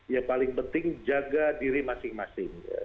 ya paling penting jaga diri masing masing